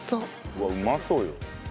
うわうまそうよ。